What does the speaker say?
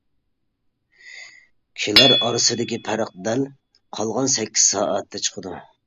كىشىلەر ئارىسىدىكى پەرق دەل قالغان سەككىز سائەتتە چىقىدۇ.